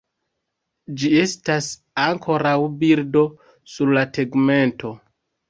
Ĝi estas ankoraŭ birdo sur la tegmento.